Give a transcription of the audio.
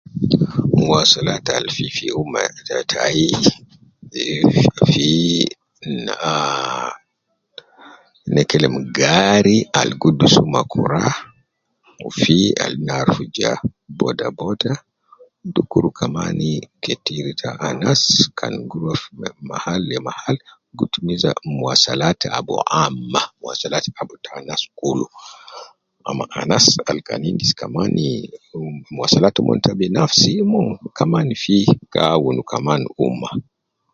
Muwasalat al fi fi umma ta tai, fi naah, ne kelem Gari al gi dusu ma kura, wu fi al na arufu ja boda boda, dukur kaman ketiri ta anas kan gi rua fi mahal de mahal gi tumiza muwasalat ab amma, muwasalat ab ta anas kulu, ama anas al kan endis kaman muwasalat tomon ta binafsi mon kaman fi gi awun kaman umma